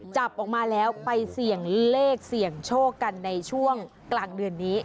จับออกมาแล้วไปเสี่ยงเลขเสี่ยงโชคกันในช่วงกลางเดือนนี้